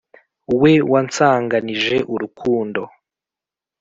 we wansanganije urukundo